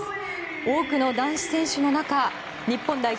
多くの男子選手の中日本代表